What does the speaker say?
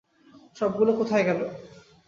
সবগুলা কোথায় গেল?